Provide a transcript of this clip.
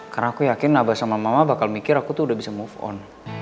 karena aku yakin abah sama mama bakal mikir aku tuh udah bisa move on